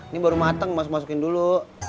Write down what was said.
ini baru matang masuk masukin dulu